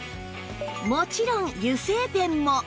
もちろん油性ペンも